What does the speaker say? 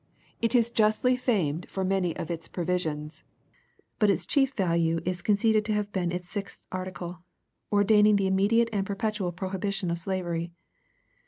It is justly famed for many of its provisions; but its chief value is conceded to have been its sixth article, ordaining the immediate and perpetual prohibition of slavery.